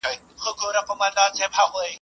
د مور په دعاوو کې د انسان د بریا راز پروت دی.